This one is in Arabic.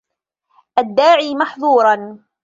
الدَّاعِي مَحْظُورًا